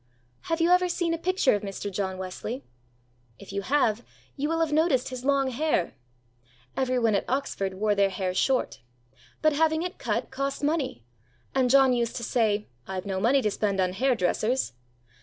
Have you ever seen a picture of Mr. John Wesley? If you have, you will have noticed his long hair. Every one at Oxford wore their hair short; but having it cut cost money, and John used to say: "I've no money to spend on hair dressers."